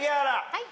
はい。